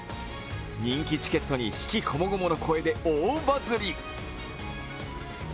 人気チケットに悲喜こもごもの声で大バズり。